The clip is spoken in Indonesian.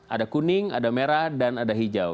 ada kuning ada merah dan ada hijau